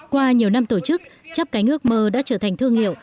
qua nhiều năm tổ chức chắp cánh ước mơ đã trở thành thương hiệu